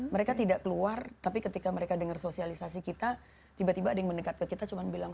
mereka tidak keluar tapi ketika mereka dengar sosialisasi kita tiba tiba ada yang mendekat ke kita cuma bilang